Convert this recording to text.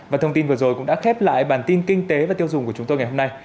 và thông tin vừa rồi cũng đã khép lại bản tin kinh tế và tiêu dùng của chúng tôi ngày hôm nay